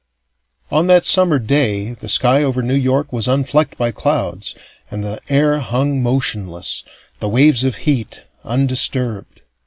On that summer day the sky over New York was unflecked by clouds, and the air hung motionless, the waves of heat undisturbed.